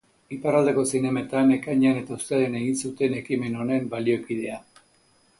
Iparraldeko zinemetan, ekainean eta uztailean egin zuten ekimen honen baliokidea.